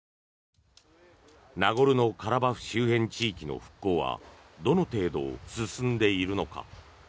ナゴルノカラバフ周辺地域の復興はどの程度進んでいるのか。